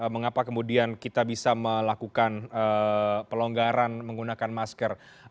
mengapa kemudian kita bisa melakukan pelonggaran menggunakan masker